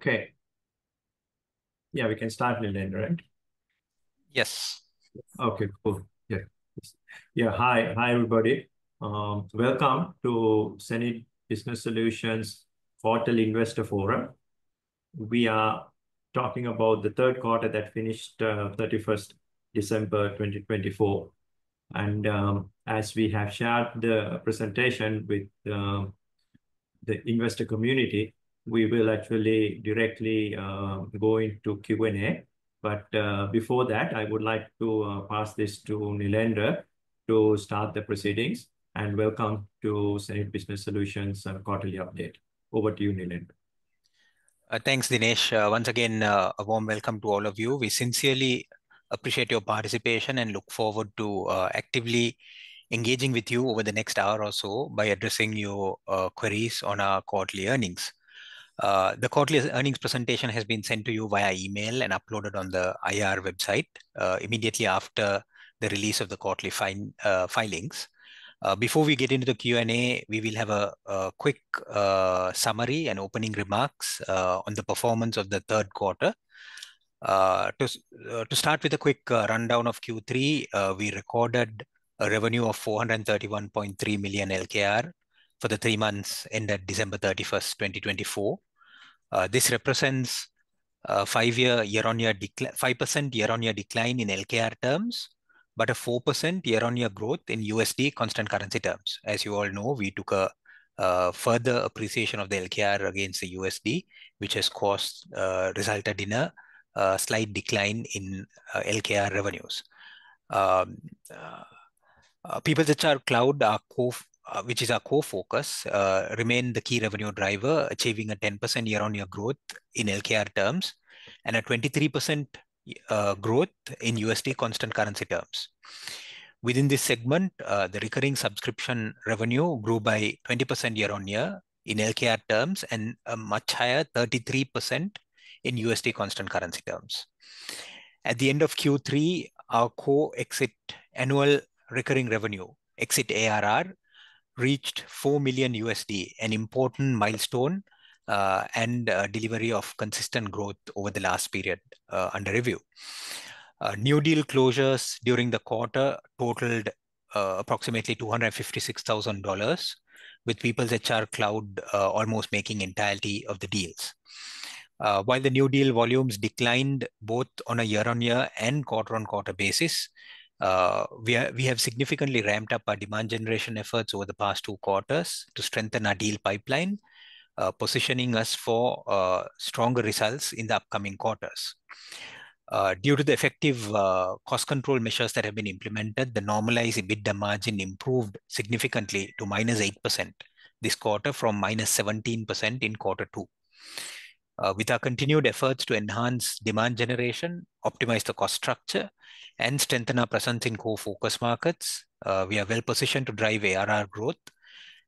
Okay. Yeah, we can start in a minute, right? Yes. Okay, cool. Yeah. Yeah. Hi, hi everybody. Welcome to hSenid Business Solutions Quarterly Investor Forum. We are talking about the Q3 that finished, 31 December 2024. As we have shared the presentation with the investor community, we will actually directly go into Q&A. Before that, I would like to pass this to Nilendra to start the proceedings and welcome to hSenid Business Solutions Quarterly Update. Over to you, Nilend. Thanks, Dinesh. Once again, a warm welcome to all of you. We sincerely appreciate your participation and look forward to actively engaging with you over the next hour or so by addressing your queries on our quarterly earnings. The quarterly earnings presentation has been sent to you via email and uploaded on the IR website, immediately after the release of the quarterly filings. Before we get into the Q&A, we will have a quick summary and opening remarks on the performance of the Q3. To start with a quick rundown of Q3, we recorded a revenue of LKR 431.3 million for the three months ended December 31, 2024. This represents a 5% year-on-year decline in LKR terms, but a 4% year-on-year growth in USD constant currency terms. As you all know, we took a further appreciation of the LKR against the USD, which has caused, resulted in a slight decline in LKR revenues. PeoplesHR Cloud, our co-focus, remained the key revenue driver, achieving a 10% year-on-year growth in LKR terms and a 23% growth in USD constant currency terms. Within this segment, the recurring subscription revenue grew by 20% year-on-year in LKR terms and a much higher 33% in USD constant currency terms. At the end of Q3, our co-exit annual recurring revenue, exit ARR, reached $4 million, an important milestone, and delivery of consistent growth over the last period under review. New deal closures during the quarter totaled approximately $256,000, with PeoplesHR Cloud almost making entirety of the deals. While the new deal volumes declined both on a year-on-year and quarter-on-quarter basis, we have significantly ramped up our demand generation efforts over the past two quarters to strengthen our deal pipeline, positioning us for stronger results in the upcoming quarters. Due to the effective cost control measures that have been implemented, the normalized EBITDA margin improved significantly to -8% this quarter from -17% in quarter two. With our continued efforts to enhance demand generation, optimize the cost structure, and strengthen our presence in core focus markets, we are well positioned to drive ARR growth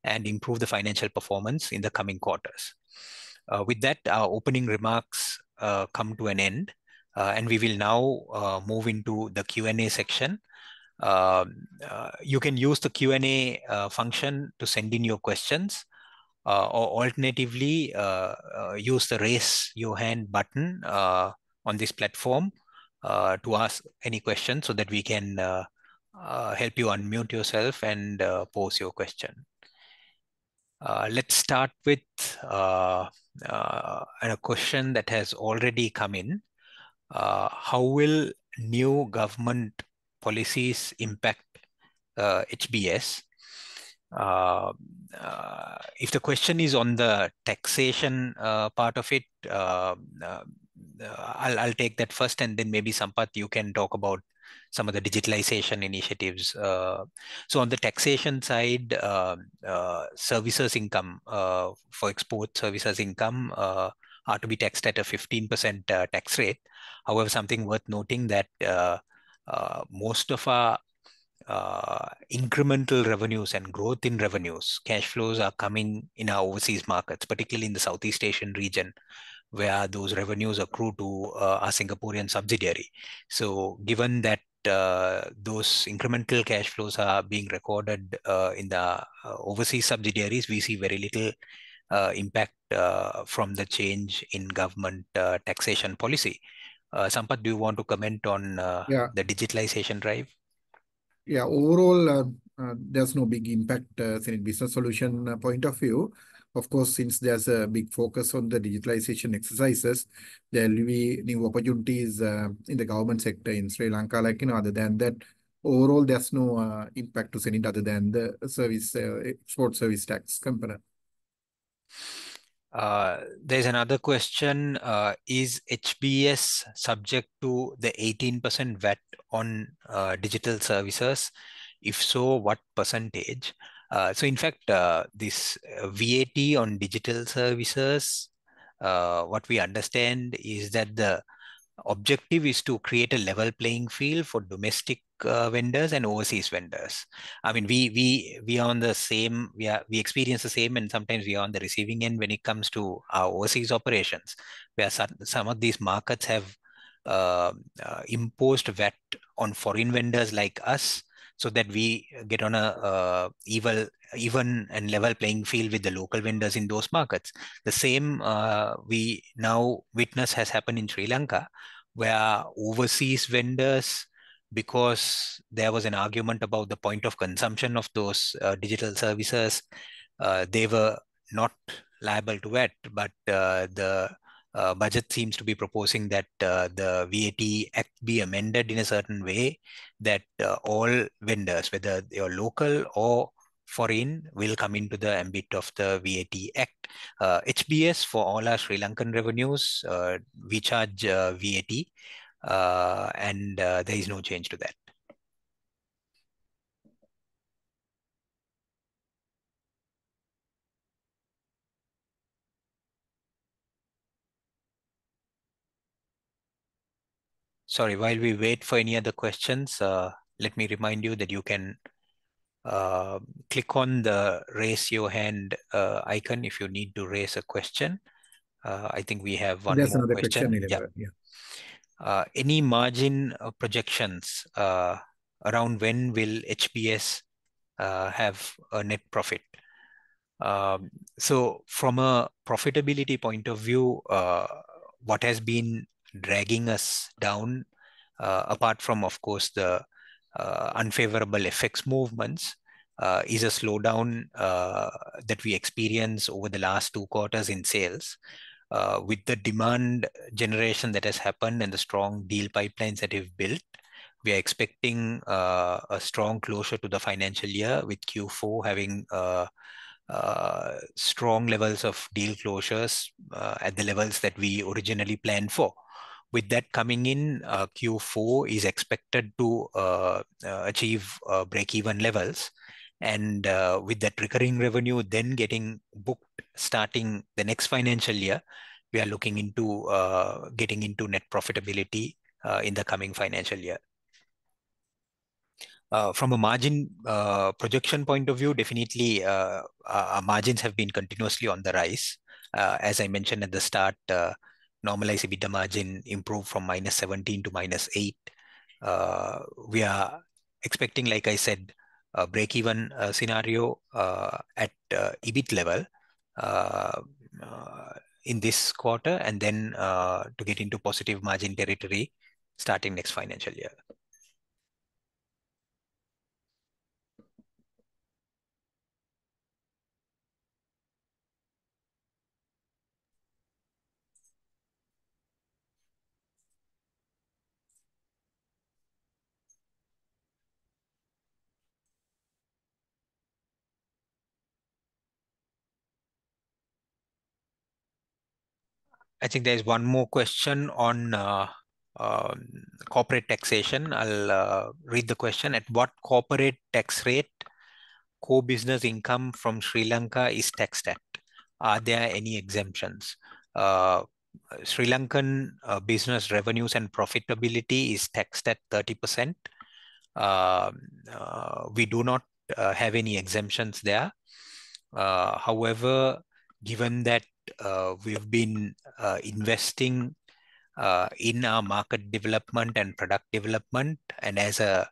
and improve the financial performance in the coming quarters. With that, our opening remarks come to an end, and we will now move into the Q&A section. You can use the Q&A function to send in your questions, or alternatively, use the raise your hand button on this platform to ask any questions so that we can help you unmute yourself and pose your question. Let's start with a question that has already come in. How will new government policies impact HBS? If the question is on the taxation part of it, I'll take that first, and then maybe Sampath, you can talk about some of the digitalization initiatives. On the taxation side, services income, for export services income, are to be taxed at a 15% tax rate. However, something worth noting is that most of our incremental revenues and growth in revenues, cash flows are coming in our overseas markets, particularly in the Southeast Asian region, where those revenues accrue to our Singaporean subsidiary. Given that, those incremental cash flows are being recorded in the overseas subsidiaries, we see very little impact from the change in government taxation policy. Sampath, do you want to comment on the digitalization drive? Yeah, overall, there's no big impact, hSenid Business Solutions point of view. Of course, since there's a big focus on the digitalization exercises, there will be new opportunities, in the government sector in Sri Lanka. Like, you know, other than that, overall, there's no impact to hSenid other than the service export service tax component. There's another question. Is HBS subject to the 18% VAT on digital services? If so, what percentage? In fact, this VAT on digital services, what we understand is that the objective is to create a level playing field for domestic vendors and overseas vendors. I mean, we are on the same, we experience the same, and sometimes we are on the receiving end when it comes to our overseas operations, where some of these markets have imposed VAT on foreign vendors like us so that we get on an even and level playing field with the local vendors in those markets. The same, we now witness, has happened in Sri Lanka, where overseas vendors, because there was an argument about the point of consumption of those digital services, they were not liable to VAT, but the budget seems to be proposing that the VAT act be amended in a certain way that all vendors, whether they are local or foreign, will come into the ambit of the VAT act. hSenid Business Solutions, for all our Sri Lankan revenues, we charge VAT, and there is no change to that. Sorry, while we wait for any other questions, let me remind you that you can click on the raise your hand icon if you need to raise a question. I think we have one question. Yes, another question. Yeah. Any margin projections, around when will HBS have a net profit? So from a profitability point of view, what has been dragging us down, apart from, of course, the unfavorable FX movements, is a slowdown that we experience over the last two quarters in sales. With the demand generation that has happened and the strong deal pipelines that we've built, we are expecting a strong closure to the financial year with Q4 having strong levels of deal closures, at the levels that we originally planned for. With that coming in, Q4 is expected to achieve break-even levels. With that recurring revenue then getting booked starting the next financial year, we are looking into getting into net profitability in the coming financial year. From a margin projection point of view, definitely, our margins have been continuously on the rise. As I mentioned at the start, normalized EBITDA margin improved from minus 17 to minus 8. We are expecting, like I said, a break-even scenario at EBIT level in this quarter and then to get into positive margin territory starting next financial year. I think there's one more question on corporate taxation. I'll read the question. At what corporate tax rate co-business income from Sri Lanka is taxed at? Are there any exemptions? Sri Lankan business revenues and profitability is taxed at 30%. We do not have any exemptions there. However, given that we've been investing in our market development and product development, and as a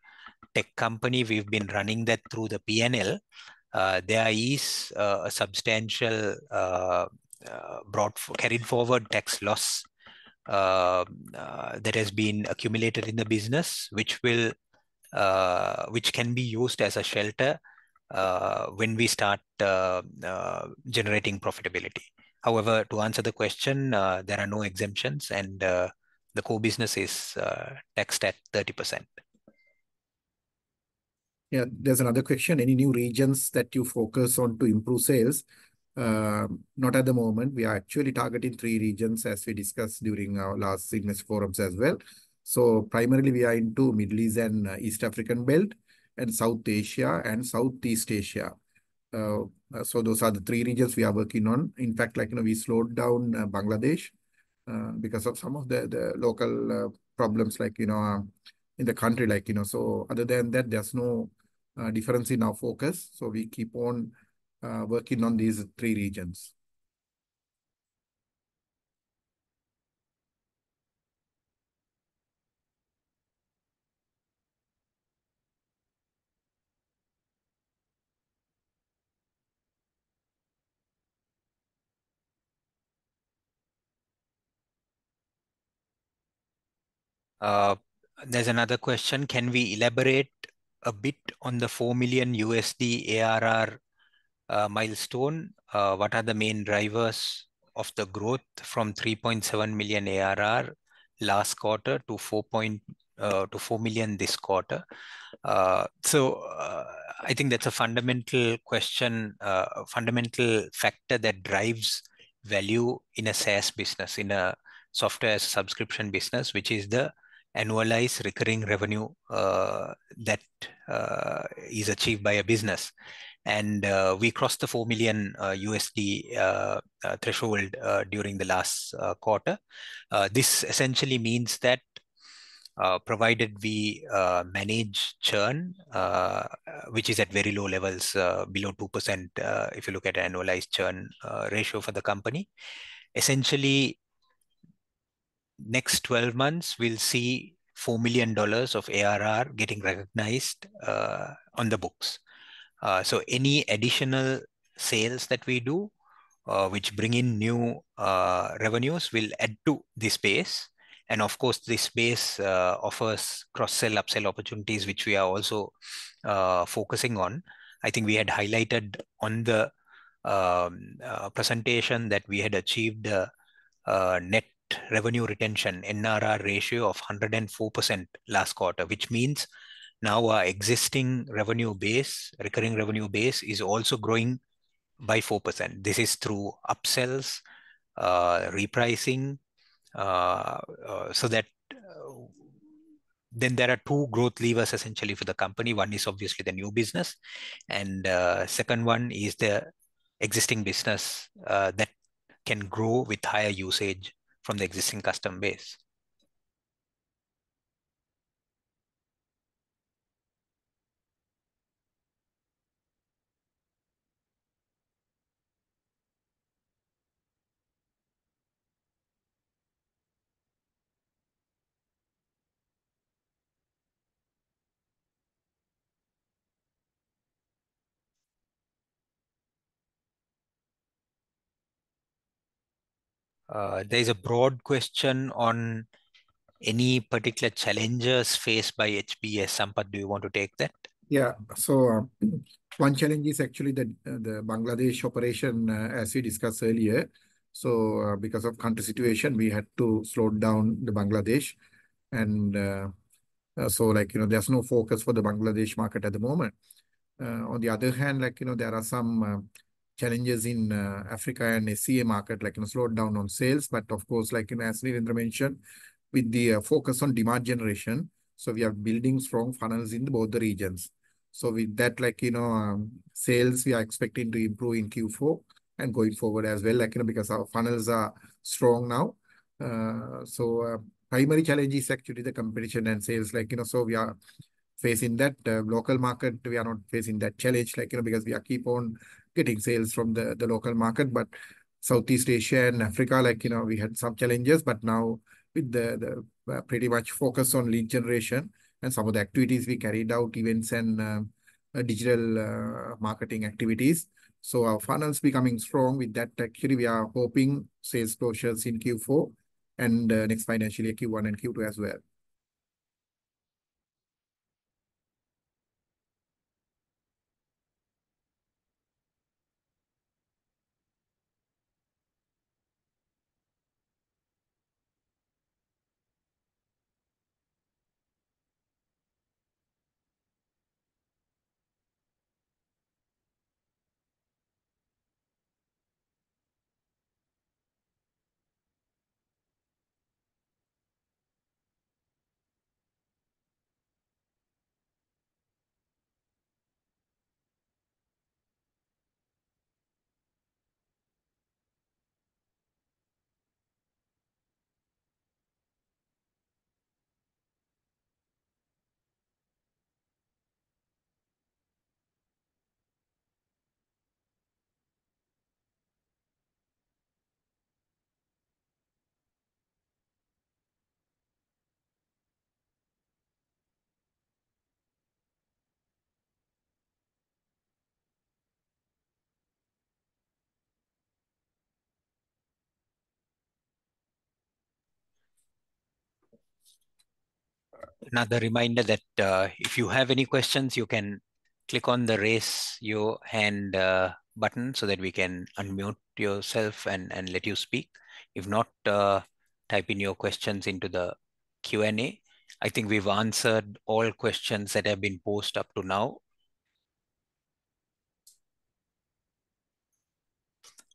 tech company, we've been running that through the P&L, there is a substantial brought carried forward tax loss that has been accumulated in the business, which will, which can be used as a shelter when we start generating profitability. However, to answer the question, there are no exemptions, and the co-business is taxed at 30%. Yeah, there's another question. Any new regions that you focus on to improve sales? Not at the moment. We are actually targeting three regions as we discussed during our last business forums as well. Primarily we are into Middle East and East African Belt and South Asia and Southeast Asia. Those are the three regions we are working on. In fact, like, you know, we slowed down Bangladesh because of some of the local problems, like, you know, in the country, like, you know. Other than that, there's no difference in our focus. We keep on working on these three regions. There's another question. Can we elaborate a bit on the $4 million ARR milestone? What are the main drivers of the growth from $3.7 million ARR last quarter to $4 million this quarter? I think that's a fundamental question, fundamental factor that drives value in a SaaS business, in a software subscription business, which is the annualized recurring revenue that is achieved by a business. We crossed the $4 million threshold during the last quarter. This essentially means that, provided we manage churn, which is at very low levels, below 2% if you look at an annualized churn ratio for the company, essentially next 12 months, we'll see $4 million of ARR getting recognized on the books. Any additional sales that we do, which bring in new revenues, will add to this base. Of course, this base offers cross-sell, upsell opportunities, which we are also focusing on. I think we had highlighted on the presentation that we had achieved the net revenue retention, NRR ratio of 104% last quarter, which means now our existing revenue base, recurring revenue base is also growing by 4%. This is through upsells, repricing, so that, then there are two growth levers essentially for the company. One is obviously the new business, and second one is the existing business, that can grow with higher usage from the existing customer base. There's a broad question on any particular challenges faced by HBS. Sampath, do you want to take that? Yeah, so, one challenge is actually that the Bangladesh operation, as we discussed earlier, so, because of country situation, we had to slow down the Bangladesh. And, so like, you know, there's no focus for the Bangladesh market at the moment. On the other hand, like, you know, there are some challenges in Africa and Southeast Asia market, like, you know, slowed down on sales. Of course, like, you know, as Nelindra mentioned, with the focus on demand generation, we are building strong funnels in both the regions. With that, like, you know, sales we are expecting to improve in Q4 and going forward as well, like, you know, because our funnels are strong now. So, primary challenge is actually the competition and sales, like, you know, so we are facing that, local market. We are not facing that challenge, like, you know, because we are keep on getting sales from the, the local market. Like, Southeast Asia and Africa, like, you know, we had some challenges, but now with the, the pretty much focus on lead generation and some of the activities we carried out, events and digital marketing activities. Our funnel is becoming strong with that. Actually, we are hoping sales closures in Q4 and next financial year, Q1 and Q2 as well. Another reminder that, if you have any questions, you can click on the raise your hand button so that we can unmute yourself and let you speak. If not, type in your questions into the Q&A. I think we've answered all questions that have been posed up to now.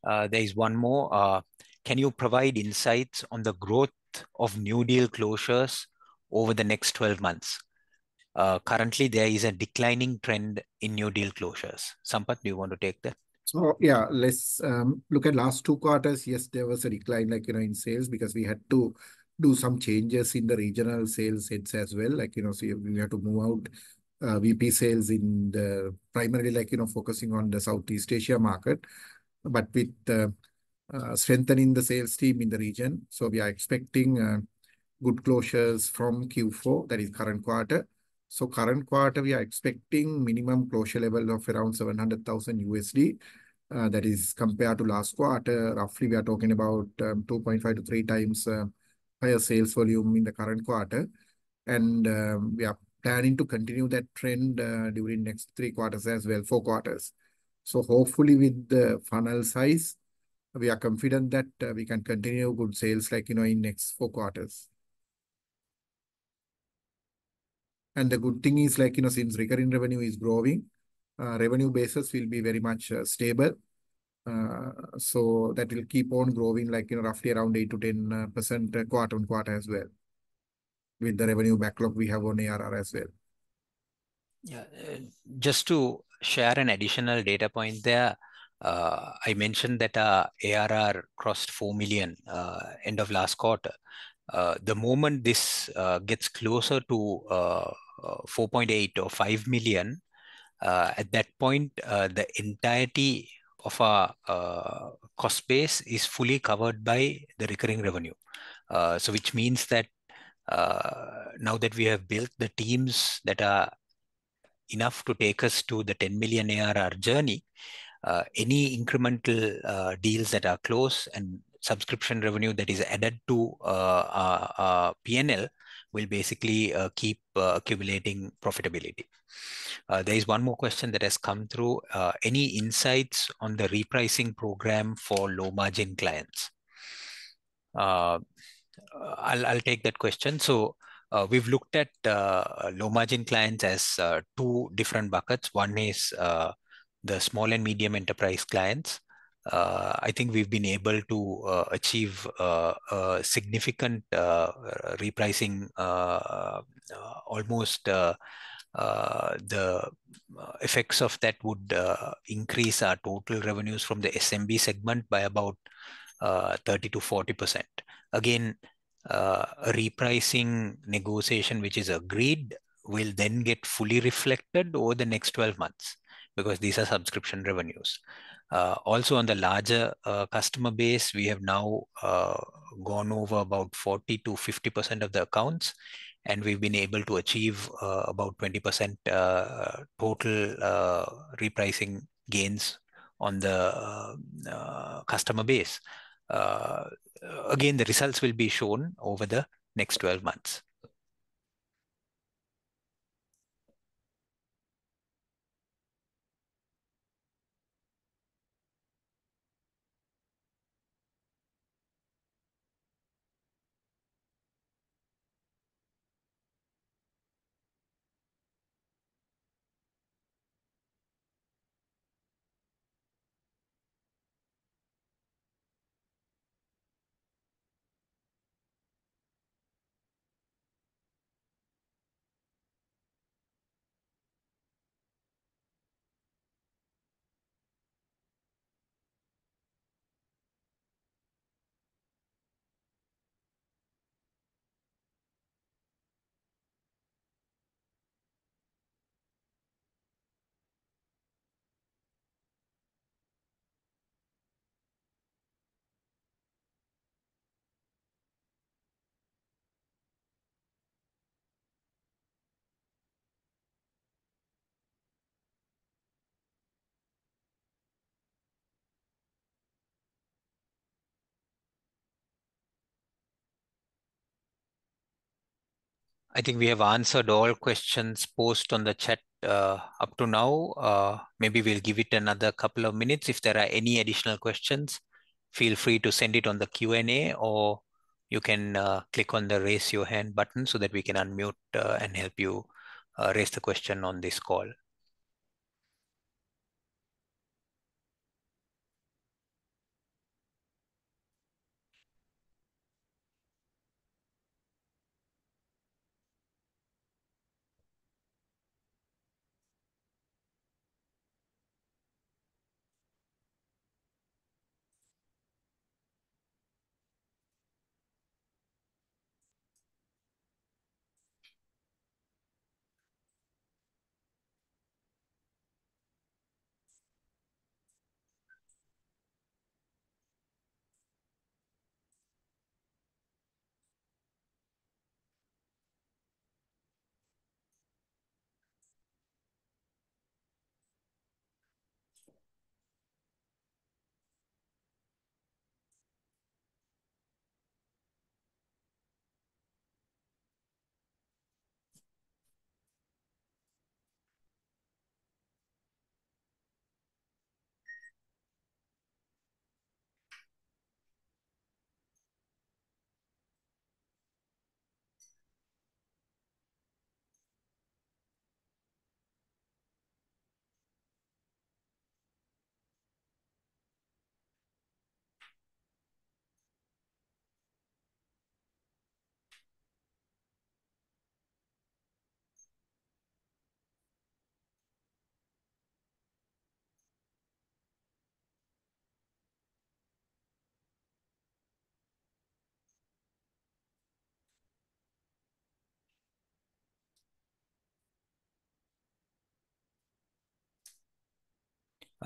There is one more. Can you provide insights on the growth of new deal closures over the next 12 months? Currently there is a declining trend in new deal closures. Sampath, do you want to take that? Yeah, let's look at last two quarters. Yes, there was a decline, like, you know, in sales because we had to do some changes in the regional sales heads as well. Like, you know, we had to move out, VP Sales in the primarily, like, you know, focusing on the Southeast Asia market, but with the strengthening the sales team in the region. We are expecting good closures from Q4. That is current quarter. Current quarter, we are expecting minimum closure level of around $700,000. That is compared to last quarter, roughly we are talking about 2.5-3 times higher sales volume in the current quarter. We are planning to continue that trend during next three quarters as well, four quarters. Hopefully with the funnel size, we are confident that we can continue good sales, like, you know, in next four quarters. The good thing is, like, you know, since recurring revenue is growing, revenue basis will be very much stable. That will keep on growing, like, you know, roughly around 8-10% quarter on quarter as well with the revenue backlog we have on ARR as well. Yeah, just to share an additional data point there, I mentioned that ARR crossed $4 million end of last quarter. The moment this gets closer to $4.8 million or $5 million, at that point, the entirety of our cost base is fully covered by the recurring revenue. Which means that, now that we have built the teams that are enough to take us to the $10 million ARR journey, any incremental deals that are closed and subscription revenue that is added to P&L will basically keep accumulating profitability. There is one more question that has come through. Any insights on the repricing program for low margin clients? I'll take that question. We have looked at low margin clients as two different buckets. One is the small and medium enterprise clients. I think we've been able to achieve significant repricing, almost, the effects of that would increase our total revenues from the SMB segment by about 30-40%. Again, repricing negotiation, which is agreed, will then get fully reflected over the next 12 months because these are subscription revenues. Also, on the larger customer base, we have now gone over about 40-50% of the accounts, and we've been able to achieve about 20% total repricing gains on the customer base. Again, the results will be shown over the next 12 months. I think we have answered all questions posed on the chat up to now. Maybe we'll give it another couple of minutes. If there are any additional questions, feel free to send it on the Q&A, or you can click on the raise your hand button so that we can unmute and help you raise the question on this call.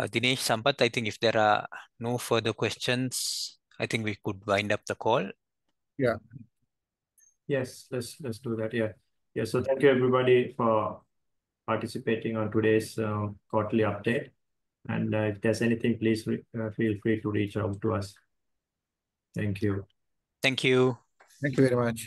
Dinesh, Sampath, I think if there are no further questions, I think we could wind up the call. Yes, let's do that. Yeah. Thank you, everybody, for participating on today's quarterly update. If there's anything, please feel free to reach out to us. Thank you. Thank you. Thank you very much.